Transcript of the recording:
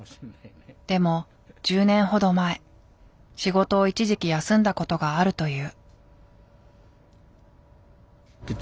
でも１０年ほど前仕事を一時期休んだことがあるという。